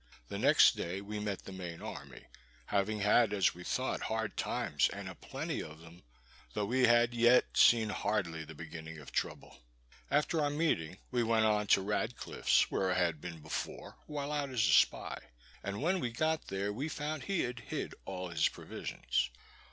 The next day we met the main army, having had, as we thought, hard times, and a plenty of them, though we had yet seen hardly the beginning of trouble. After our meeting we went on to Radcliff's, where I had been before while out as a spy; and when we got there, we found he had hid all his provisions.